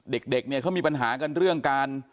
เด็กเนี่ยเขามีปัญหากันเรื่องการ